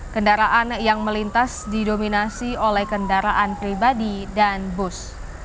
kendaraan yang melintas didominasi oleh kendaraan pribadi dan bus